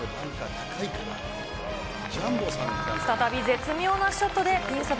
再び絶妙なショットで、ピンそば